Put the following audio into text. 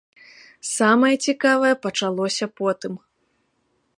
Самае цікавае пачалося потым.